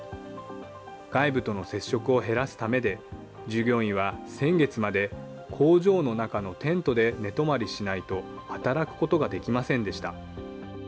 外部との接触を減らすためで、従業員は先月まで工場の中のテントで寝泊まりしないと働くことができませんでした。